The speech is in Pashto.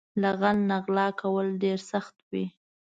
له غل نه غلا کول ډېر سخت وي